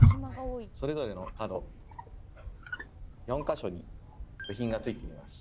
それぞれの角４か所に部品がついています。